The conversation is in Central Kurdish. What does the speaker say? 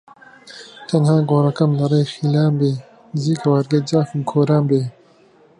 تەنها گۆڕەکەم لە ڕێی خیڵان بێ نزیک هەوارگەی جاف و کۆران بێ